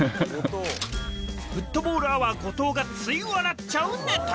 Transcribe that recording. フットボールアワー・後藤がつい笑っちゃうネタ。